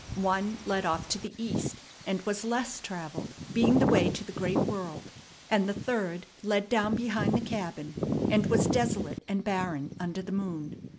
One led off to the east, and was less travelled, being the way to the great world; and the third led down behind the cabin, and was desolate and barren under the moon.